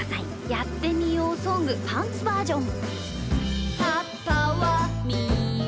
「やってみようソングパンツバージョン」。